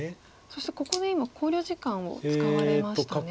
そしてここで今考慮時間を使われましたね。